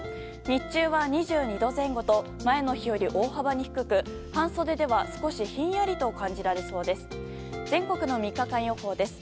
日中は２２度前後と前の日より大幅に低く半袖では少しひんやりと感じられそうです。